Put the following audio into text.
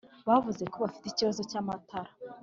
Bavuze ko bafite ikibazo cy’amatara